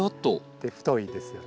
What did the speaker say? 太いですよね。